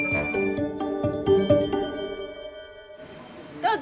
どうぞ！